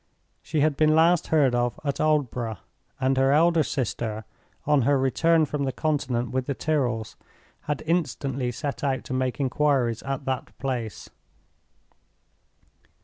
She had been last heard of at Aldborough; and her elder sister, on her return from the Continent with the Tyrrels, had instantly set out to make inquiries at that place.